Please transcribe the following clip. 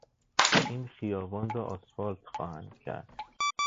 این خیابان را آسفالت خواهند کرد.